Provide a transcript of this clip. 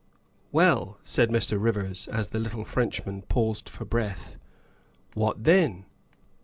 " Well," said Mr. Rivers, as the little Frenchman paused for breath, " well, what then?"